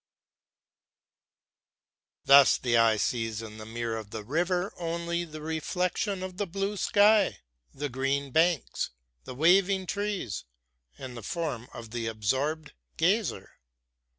Thus the eye sees in the mirror of the river only the reflection of the blue sky, the green banks, the waving trees, and the form of the absorbed gazer.